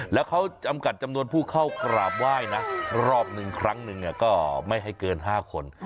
แล้วเขาจำกัดจำนวนผู้เข้ากราบไหว้นะรอบหนึ่งครั้งหนึ่งก็ไม่ให้เกิน๕คน